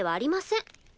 ん？